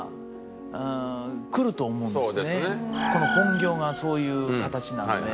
この本業がそういう形なので。